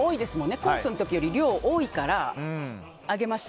コースの時より量が多いから上げました。